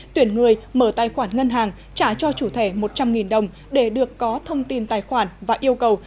tuyển người mở tài khoản ngân hàng trả cho chủ thể một trăm linh đồng để được có thông tin tài khoản và yêu cầu